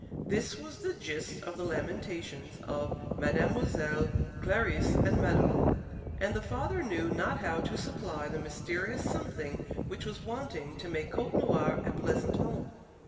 This was the gist of the lamentations of Mademoiselles Clarice and Madelon; and the father knew not how to supply the mysterious something which was wanting to make Côtenoir a pleasant home.